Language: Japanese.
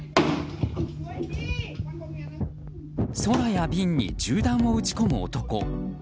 空や瓶に銃弾を撃ち込む男。